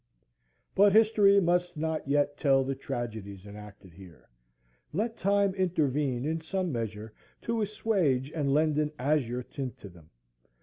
But history must not yet tell the tragedies enacted here; let time intervene in some measure to assuage and lend an azure tint to them.